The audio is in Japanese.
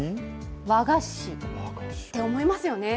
和菓子？って思いますよね。